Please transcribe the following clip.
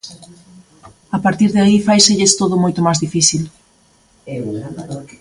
A partir de aí fáiselles todo moito máis difícil.